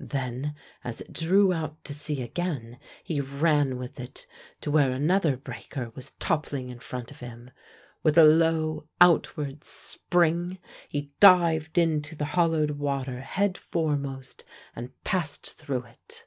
Then as it drew out to sea again he ran with it, to where another breaker was toppling in front of him. With a low outward spring he dived into the hollowed water head foremost and passed through it.